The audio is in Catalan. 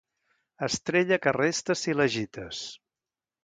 Estrella que resta si l'agites.